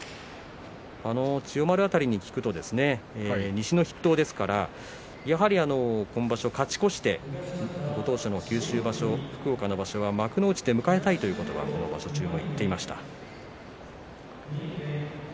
千代丸辺りに聞きますと西の筆頭ですからやはり、今場所勝ち越してご当所の九州場所福岡の場所は幕内で迎えたいという話をしていました。